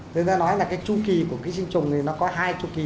thế nên nói là cái chu kỳ của ký sinh trùng thì nó có hai chu kỳ